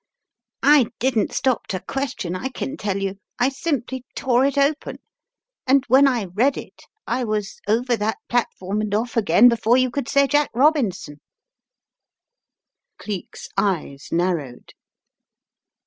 I didn't stop to question, I can tell you, I simply tore it open, and when I read it, I was over that platform and off again before you could say 'Jack Robinson/ " Cleek's eyes narrowed.